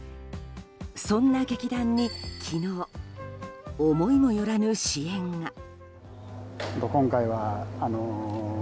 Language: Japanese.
そんな劇団に昨日思いもよらぬ支援が。